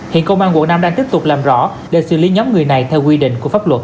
hiện công an quận năm đang tiếp tục làm rõ để xử lý nhóm người này theo quy định của pháp luật